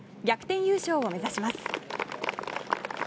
逆転優勝を目指します。